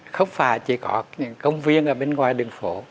không phải chỉ có những công viên ở bên ngoài đường phố